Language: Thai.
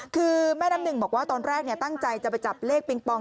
คือแม่น้ำหนึ่งบอกว่าตอนแรกตั้งใจจะไปจับเลขปิงปอง